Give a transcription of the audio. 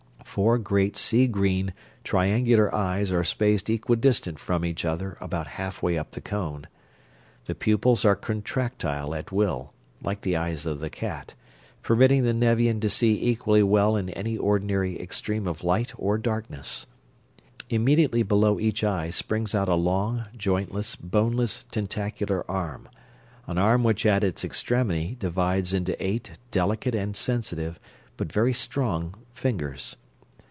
Four great sea green, triangular eyes are spaced equidistant from each other about half way up the cone. The pupils are contractile at will, like the eyes of the cat, permitting the Nevian to see equally well in any ordinary extreme of light or darkness. Immediately below each eye springs out a long, jointless, boneless, tentacular arm; an arm which at its extremity divides into eight delicate and sensitive, but very strong, fingers.